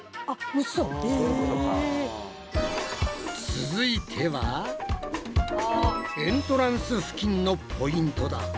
続いてはエントランス付近のポイントだ！